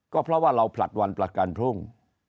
ก็เพราะว่าเราผลัดวันประกันพรุ่ง